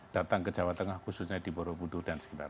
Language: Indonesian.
datang ke jawa tengah khususnya di borobudur dan sekitar